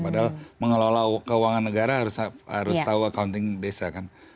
padahal mengelola keuangan negara harus tahu accounting desa kan